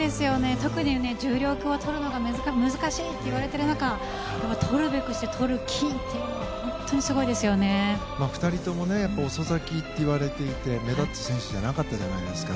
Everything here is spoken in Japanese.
特に重量級は、とるのが難しいといわれている中とるべくしてとる金というのは２人とも遅咲きと言われていて目立つ選手じゃなかったじゃないですか。